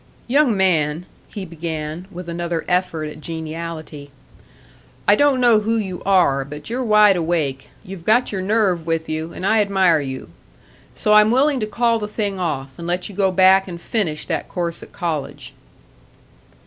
"Young man," he began, with another effort at geniality. "I don't know who you are, but you're wide awake; you've got your nerve with you, and I admire you. So I'm willing to call the thing off, and let you go back and finish that course at college."